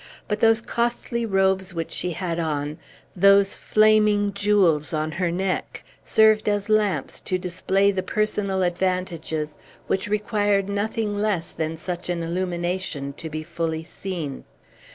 But, those costly robes which she had on, those flaming jewels on her neck, served as lamps to display the personal advantages which required nothing less than such an illumination to be fully seen.